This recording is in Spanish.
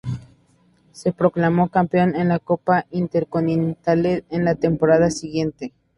Se proclamó campeón de la Copa Intercontinental en la temporada siguiente.